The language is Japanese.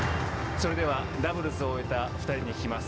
それではダブルスを終えた２人に聞きます。